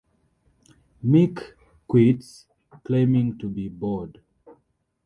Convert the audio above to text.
Mick quits, claiming to be bored.